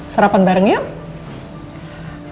sarapan bareng yuk